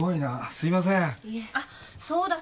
あっそうだ。